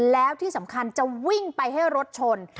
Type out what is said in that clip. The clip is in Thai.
แล้วที่สำคัญจะวิ่งไปให้รถชน